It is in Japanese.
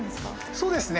そうですね